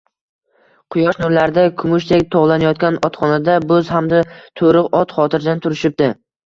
Quyosh nurlarida kumushdek tovlanayotgan otxonada bo`z hamda to`riq ot xotirjam turishibdi